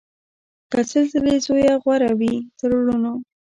که سل ځله زویه غوره وي تر لوڼو